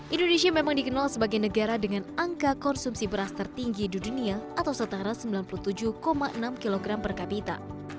indonesia memang dikenal sebagai negara dengan angka konsumsi beras tertinggi di dunia atau setara sembilan puluh tujuh enam kg per kapita